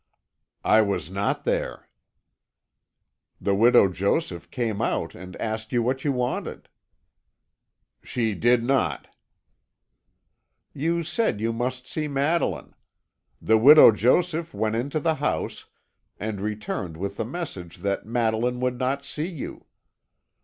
"I was not there." "The Widow Joseph came out and asked you what you wanted." "She did not." "You said you must see Madeline. The Widow Joseph went into the house, and returned with the message that Madeline would not see you.